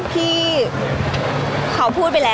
พี่ตอบได้แค่นี้จริงค่ะ